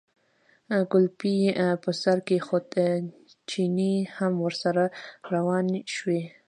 کولپۍ یې پر سر کېښوده، چيني هم ورسره روان شو.